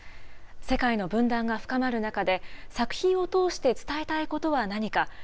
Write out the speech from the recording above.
世界の分断が深まる中で、作品を通して伝えたいことは何か。